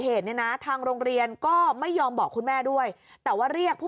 เหตุเนี่ยนะทางโรงเรียนก็ไม่ยอมบอกคุณแม่ด้วยแต่ว่าเรียกผู้